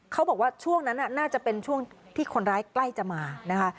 เขาบอกว่าช่วงนั้นน่าจะเป็นช่วงที่คนร้ายใกล้จะมานะคะ